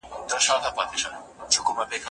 د ټولو د ګډون له لاري پرمختګ کیږي.